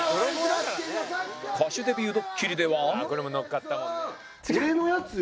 歌手デビュードッキリでは